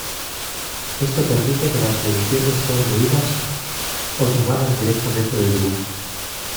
Esto permite que las mediciones sean leídas o tomadas directamente del dibujo.